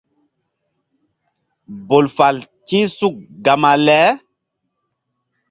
Bol fal ti̧h suk gama le.